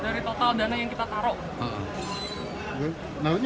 sempat dibayar nggak sama pelaku ini